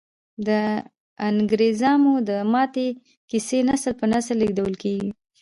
د انګریزامو د ماتې کیسې نسل په نسل لیږدول کیږي.